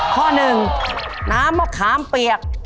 ข้อหนึ่งน้ำมะขามเปียก